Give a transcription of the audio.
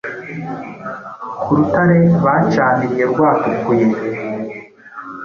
ku rutare bacaniriye rwatukuye.